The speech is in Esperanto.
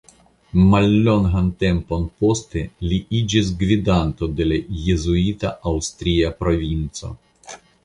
Mallongan tempon poste li iĝis gvidanto de la jezuita Aŭstria Provinco.